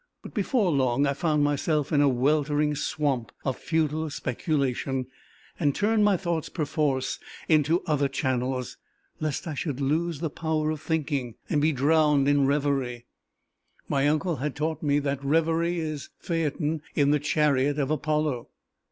But before long I found myself in a weltering swamp of futile speculation, and turned my thoughts perforce into other channels, lest I should lose the power of thinking, and be drowned in reverie: my uncle had taught me that reverie is Phaeton in the chariot of Apollo.